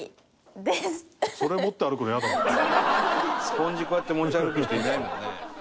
スポンジこうやって持ち歩く人いないもんね。